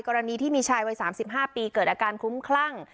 กรณีที่มีชายวัยสามสิบห้าปีเกิดอาการคุ้มคลั่ง